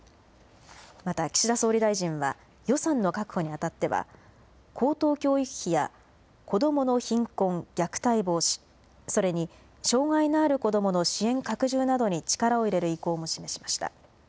また岸田総理大臣は、予算の確保にあたっては、高等教育費や子どもの貧困・虐待防止、それに障害のある子どもの支援拡充などに力を入れる意向も示しました。